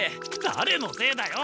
だれのせいだよ！